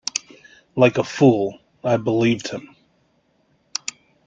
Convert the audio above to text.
Like a fool, I believed him.